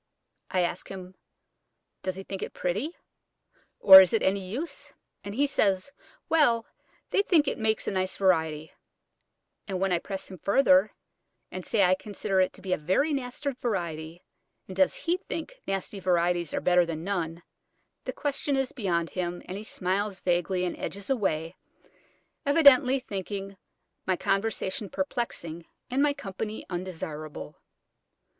I ask him, Does he think it pretty, or is it any use? and he says, "Well, they think it makes a nice variety;" and when I press him further, and say I consider it a very nasty variety, and does he think nasty varieties are better than none, the question is beyond him, and he smiles vaguely and edges away, evidently thinking my conversation perplexing, and my company undesirable.